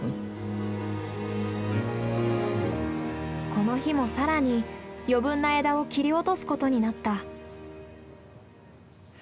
この日も更に余分な枝を切り落とすことになった。